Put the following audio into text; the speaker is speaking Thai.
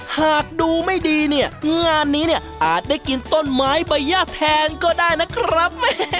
หากดูไม่ดีเนี่ยงานนี้เนี่ยอาจได้กินต้นไม้ใบย่าแทนก็ได้นะครับ